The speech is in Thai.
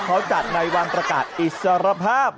เขาจัดในวันประกาศอิสรภาพ